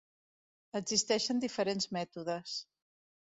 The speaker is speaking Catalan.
Existeixen diferents mètodes.